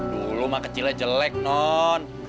dulu mak kecilnya jelek non